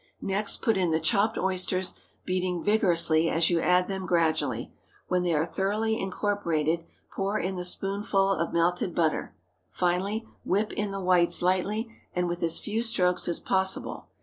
Next put in the chopped oysters, beating vigorously as you add them gradually. When they are thoroughly incorporated, pour in the spoonful of melted butter; finally, whip in the whites lightly and with as few strokes as possible.